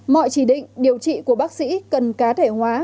mọi chỉ định điều trị của bác sĩ cần cá thể hóa